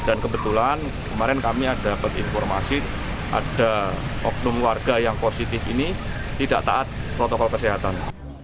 dan kebetulan kemarin kami dapat informasi ada oknum warga yang positif ini tidak taat protokol kesehatan